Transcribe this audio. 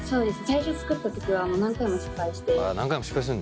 最初作った時は何回も失敗して。